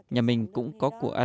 nhà mình cũng có của ăn